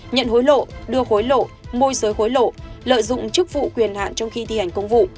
nhận hối lộ đưa hối lộ môi giới hối lộ lợi dụng chức vụ quyền hạn trong khi thi hành công vụ